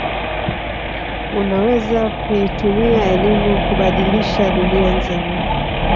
unaweza kuitumia elimu kubadilisha dunia nzima